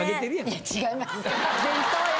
いや違います！